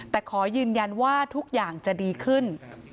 แต่ขอยืนยันว่าทุกอย่างจะดีขึ้น